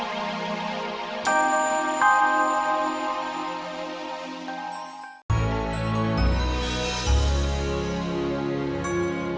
tapi kamu gak usah ajak mas aldo